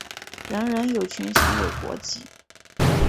人人有权享有国籍。